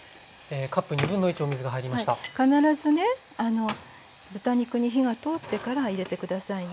必ずね豚肉に火が通ってから入れて下さいね。